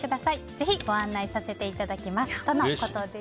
ぜひご案内させていただきますとのことです。